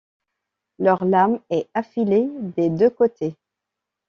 Leur lame est affilée des deux côtés.